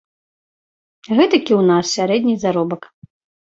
Гэтак і ў нас сярэдні заробак.